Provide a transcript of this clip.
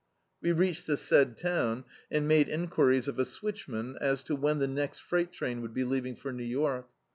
We reached the said town, and made enquiries of a switchman as to when the next freight train would be leaving for New York.